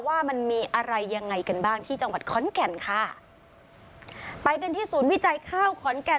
ว่ามันมีอะไรยังไงกันบ้างที่จังหวัดขอนแก่นค่ะไปกันที่ศูนย์วิจัยข้าวขอนแก่น